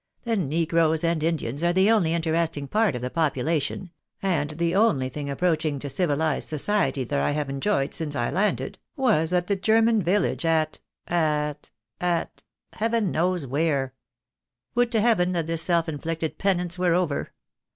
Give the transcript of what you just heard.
The negroes and Indians are the only interesting part of the population, and the only thing approaching to civilised society that I have enjoyed since I landed was at the German village at — at — at — heaven knows where. Would to heaven that this self inflicted penance were over!